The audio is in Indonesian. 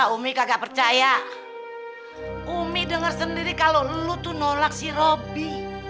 umi kagak percaya umi dengar sendiri kalau lu tuh nolak si ropi